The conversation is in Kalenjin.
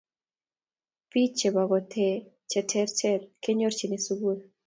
biich chebo kotee che terter kenyorchine sukul